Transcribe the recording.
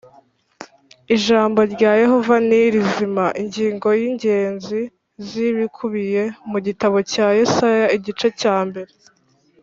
Ijambo rya Yehova ni rizima Ingingo z ingenzi z ibikubiye mu gitabo cya Yesaya igice cya mbere